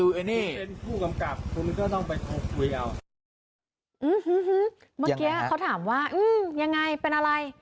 ให้โทษคุยเอา